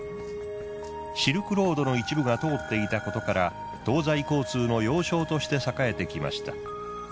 シルクロードの一部が通っていたことから東西交通の要衝として栄えてきました。